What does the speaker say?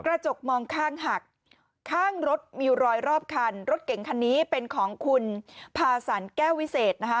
กระจกมองข้างหักข้างรถมีรอยรอบคันรถเก่งคันนี้เป็นของคุณพาสันแก้ววิเศษนะคะ